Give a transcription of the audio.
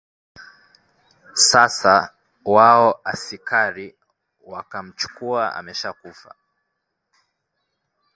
Sasa wao asikari wakamchukua ameshakufa